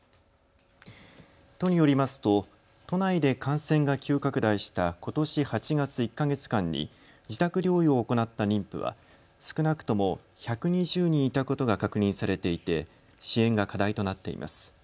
都によりますと都内で感染が急拡大したことし８月１か月間に自宅療養を行った妊婦は少なくとも１２０人いたことが確認されていて支援が課題となっています。